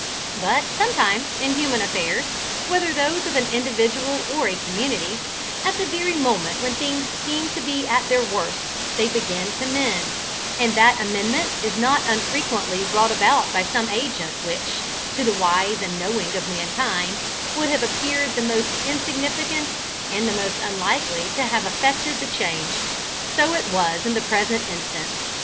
But, sometimes, in human affairs, whether those of an individual or a community, at the very moment when things seem to be at their worst, they begin to mend, and that amendment is not unfrequently brought about by some agent which, to the wise and knowing of mankind, would have appeared the most insignificant and the most unlikely to have effected the change. So it was in the present instance.